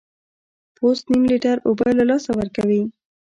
پوست نیم لیټر اوبه له لاسه ورکوي.